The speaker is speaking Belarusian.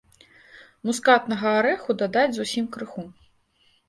Мускатнага арэху дадаць зусім крыху.